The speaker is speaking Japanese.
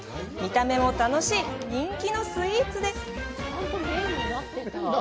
見た目も楽しい人気のスイーツです。